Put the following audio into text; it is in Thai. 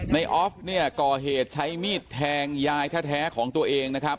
ในออฟก่อเหตุใช้มีดแทงยายแท้ของตัวเอง